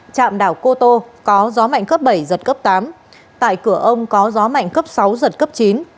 trạm đảo cô tô có gió mạnh cấp bảy giật cấp tám tại cửa ông có gió mạnh cấp sáu giật cấp chín